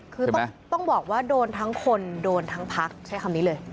คือต้องบอกว่าโดนทั้งคนโดนทั้งพักใช้คำนี้เลย